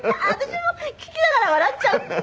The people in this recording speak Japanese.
私も聞きながら笑っちゃう。